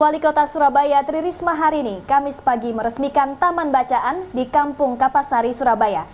wali kota surabaya tri risma hari ini kamis pagi meresmikan taman bacaan di kampung kapasari surabaya